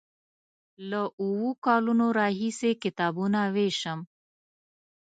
له اوو کلونو راهیسې کتابونه ویشم.